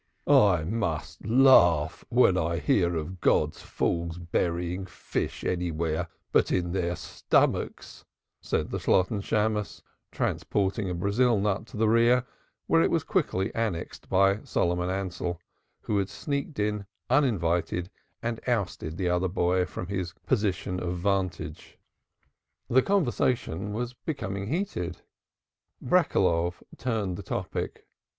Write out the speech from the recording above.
"I must laugh when I hear of God's fools burying fish anywhere but in their stomach," said the Shalotten Shammos, transporting a Brazil nut to the rear, where it was quickly annexed by Solomon Ansell, who had sneaked in uninvited and ousted the other boy from his coign of vantage. The conversation was becoming heated; Breckeloff turned the topic.